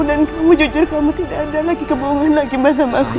dan kamu jujur kamu tidak ada lagi kebohongan lagi mas sama aku